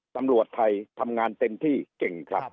ตำรวจไทยทำงานเต็มที่เก่งครับ